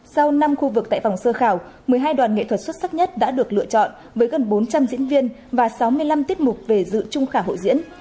sau năm khu vực tại vòng sơ khảo một mươi hai đoàn nghệ thuật xuất sắc nhất đã được lựa chọn với gần bốn trăm linh diễn viên và sáu mươi năm tiết mục về dự trung khảo hộ diễn